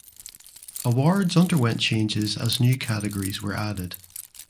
Awards underwent changes as new Categories were added.